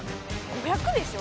５００でしょ？